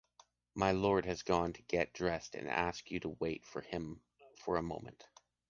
My Lord has gone to get dressed and asks you to wait for him for a moment.